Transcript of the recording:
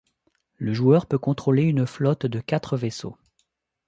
Le joueur peut contrôler une flotte de quatre vaisseaux.